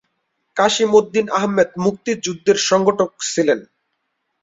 কাসিম উদ্দিন আহমেদ মুক্তিযুদ্ধের সংগঠক ছিলেন।